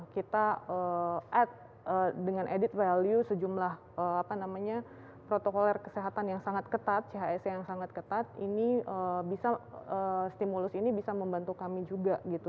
kita ad dengan added value sejumlah protokol kesehatan yang sangat ketat chse yang sangat ketat ini bisa stimulus ini bisa membantu kami juga gitu